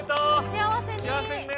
幸せにね！